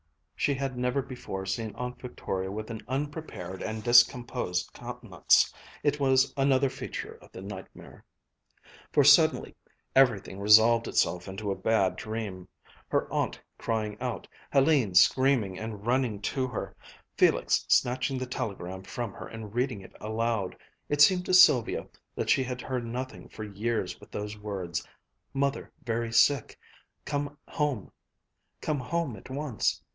She had never before seen Aunt Victoria with an unprepared and discomposed countenance. It was another feature of the nightmare. For suddenly everything resolved itself into a bad dream, her aunt crying out, Hélène screaming and running to her, Felix snatching the telegram from her and reading it aloud it seemed to Sylvia that she had heard nothing for years but those words, "Mother very sick. Come home at once.